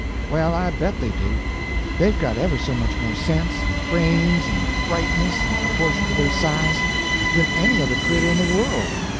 "Well, I bet they do. They've got ever so much more sense, and brains, and brightness, in proportion to their size, than any other cretur in the world.